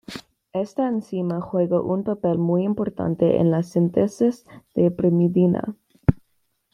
Esta enzima juega un papel muy importante en la síntesis de pirimidina.